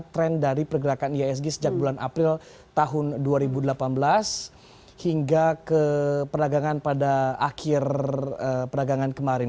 trend dari pergerakan iasg sejak bulan april tahun dua ribu delapan belas hingga ke perdagangan pada akhir perdagangan kemarin